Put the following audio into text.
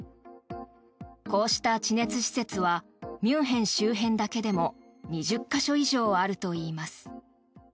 こうした地熱施設はミュンヘン周辺だけでも２０か所以上あるといいます。